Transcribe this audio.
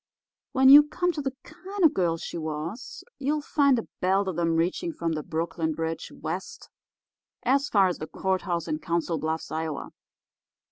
When you come to the kind of a girl she was, you'll find a belt of 'em reaching from the Brooklyn Bridge west as far as the courthouse in Council Bluffs, Ia.